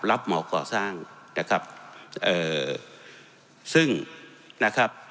เหมาก่อสร้างนะครับเอ่อซึ่งนะครับ